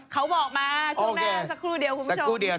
เขาบอกมาช่วงหน้าสักครู่เดียว